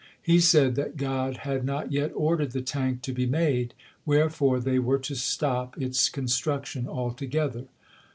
He said that God had not yet ordered the tank to be made, wherefore they were to stop its construc tion altogether.